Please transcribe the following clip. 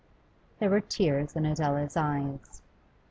There were tears in Adela's eyes.